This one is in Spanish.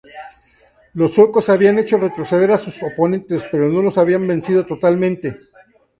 Los suecos habían hecho retroceder a sus oponentes, pero no los habían vencido totalmente.